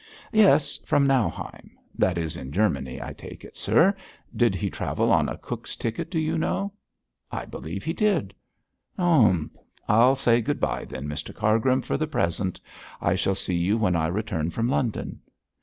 'Yes, from Nauheim.' 'That is in Germany, I take it, sir. Did he travel on a Cook's ticket, do you know?' 'I believe he did.' 'Oh! humph! I'll say good bye, then, Mr Cargrim, for the present. I shall see you when I return from London.'